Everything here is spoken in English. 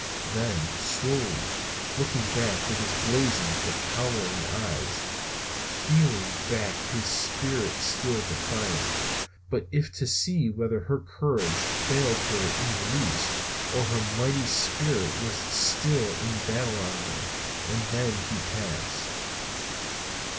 Then slowly, looking back with his blazing but cowering eyes, feeling back with his spirit still defiant, if but to see whether her courage failed her in the least or her mighty spirit was still in battle armor; and then he passed.